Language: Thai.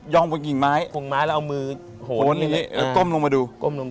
จงบรรกิ่งไม้แล้วเอามือหัวดู